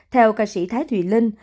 theo ca sĩ thái thùy linh